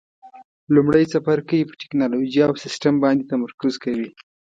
لومړی څپرکی په ټېکنالوجي او سیسټم باندې تمرکز کوي.